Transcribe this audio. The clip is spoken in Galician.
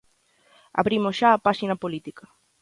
Abrimos xa páxina política.